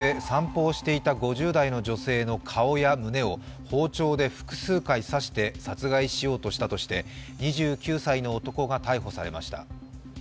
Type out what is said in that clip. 千葉県の農道で散歩をしていた５０代の女性の顔や胸を包丁で複数回刺して殺害しようとしたとして、２９歳の男が逮捕されました。